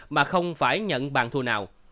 mà không phải nhận bàn thua nào